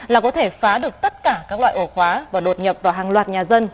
là có thể phá được tất cả các loại ổ khóa và đột nhập vào hàng loạt nhà dân